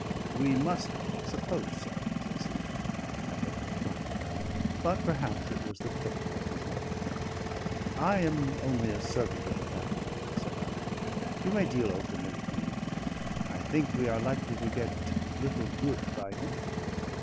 "We must suppose so," says he, I thought drily; but perhaps it was the cloak about his mouth. "I am only a servant of the family," said I. "You may deal openly with me. I think we are likely to get little good by him?"